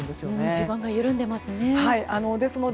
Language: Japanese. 地盤が緩んでいますね。